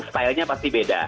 style nya pasti beda